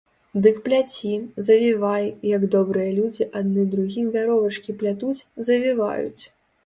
Дык пляці, завівай, як добрыя людзі адны другім вяровачкі плятуць, завіваюць!